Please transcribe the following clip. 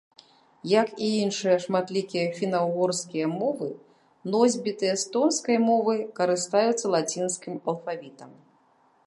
Як і іншыя шматлікія фіна-ўгорскія мовы, носьбіты эстонскай мовы карыстаюцца лацінскім алфавітам.